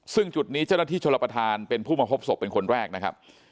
ซึ่งจุดนี้เจ้าหน้าที่ชลประธานเป็นผู้มาพบศพเป็นคนแรกนะครับ